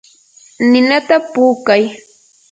ninata puukay.